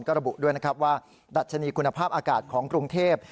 ก็ระบุด้วยนะครับว่าดัชนีคุณภาพอากาศของกรุงเทพ